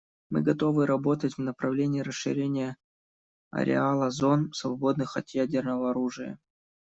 Мы готовы работать в направлении расширения ареала зон, свободных от ядерного оружия.